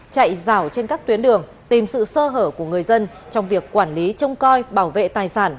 chạy rào trên các tuyến đường tìm sự sơ hở của người dân trong việc quản lý trông coi bảo vệ tài sản